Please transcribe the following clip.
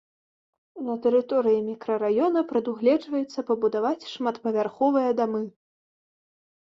На тэрыторыі мікрараёна прадугледжваецца пабудаваць шматпавярховыя дамы.